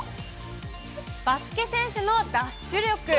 バスケ選手のダッシュ力。